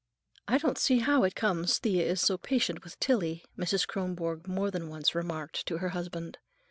"I don't see how it comes Thea is so patient with Tillie," Mrs. Kronborg more than once remarked to her husband.